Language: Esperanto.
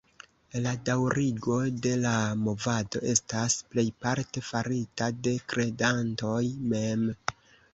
La daŭrigo de la movado estas plejparte farita de kredantoj mem.